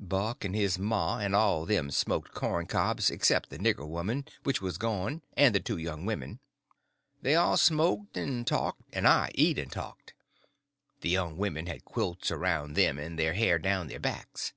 Buck and his ma and all of them smoked cob pipes, except the nigger woman, which was gone, and the two young women. They all smoked and talked, and I eat and talked. The young women had quilts around them, and their hair down their backs.